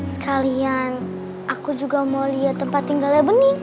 sekalian aku juga mau lihat tempat tinggalnya bening